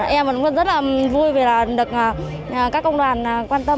em cũng rất là vui vì được các công đoàn quan tâm